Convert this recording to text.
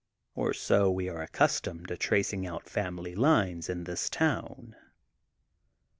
Or so we are accustomed to tracing out family lines in this town.